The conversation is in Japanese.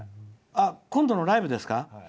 今度のライブですか。